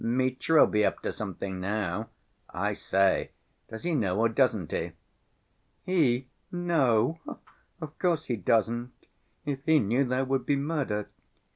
"Mitya'll be up to something now—I say! Does he know or doesn't he?" "He know! Of course he doesn't. If he knew, there would be murder.